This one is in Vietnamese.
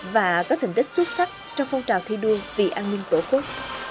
và có thành tích xuất sắc trong phong trào thi đua vì an ninh tổ quốc